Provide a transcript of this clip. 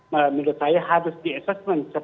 menurut saya harus di assessment